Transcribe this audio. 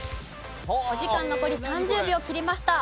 お時間残り３０秒切りました。